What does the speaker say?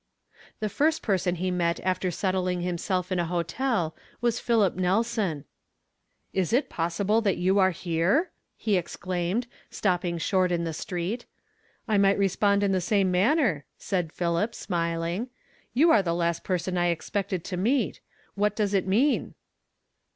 The fn st person he met after settling himself in a hotel waa Philip Nelson. "Is it possible that you are here?" ho exclaimed, stopping short in the street. " I might respond in the same manner," said Philip, smiling. " You are the last person I ex pected to meet. What does it mean?"